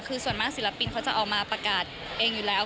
คือส่วนมากศิลปินเขาจะออกมาประกาศเองอยู่แล้ว